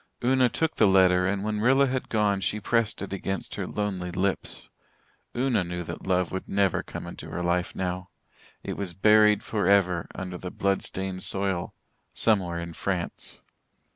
Una took the letter and when Rilla had gone she pressed it against her lonely lips. Una knew that love would never come into her life now it was buried for ever under the blood stained soil "Somewhere in France."